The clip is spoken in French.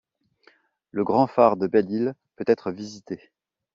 Le grand phare de Belle-Île peut être visité.